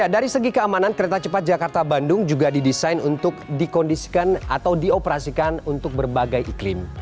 dari segi keamanan kereta cepat jakarta bandung juga didesain untuk dikondisikan atau dioperasikan untuk berbagai iklim